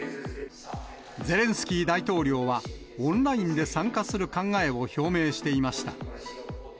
ゼレンスキー大統領はオンラインで参加する考えを表明していました。